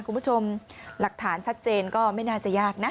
คุณผู้ชมหลักฐานชัดเจนก็ไม่น่าจะยากนะ